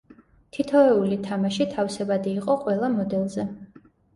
თითოეული თამაში თავსებადი იყო ყველა მოდელზე.